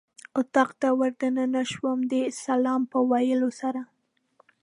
اتاق ته ور دننه شوم د سلام په ویلو سره.